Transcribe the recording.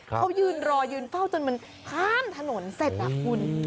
เขายืนรอยืนเฝ้าจนมันข้ามถนนเสร็จนะคุณ